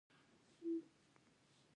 د ګنګا سیند د هندیانو لپاره مقدس دی.